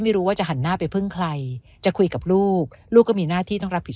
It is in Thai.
ไม่รู้ว่าจะหันหน้าไปพึ่งใครจะคุยกับลูกลูกก็มีหน้าที่ต้องรับผิดชอบ